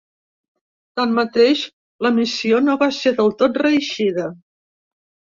Tanmateix, la missió no va ser del tot reeixida.